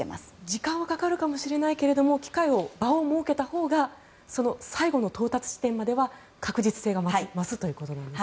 時間はかかるかもしれないけれども場を設けたほうが最後の到達地点までは確実性が増すということですね。